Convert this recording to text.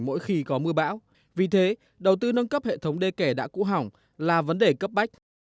mỗi khi có mưa bão vì thế đầu tư nâng cấp hệ thống đê kẻ đã cũ hỏng là vấn đề cấp bách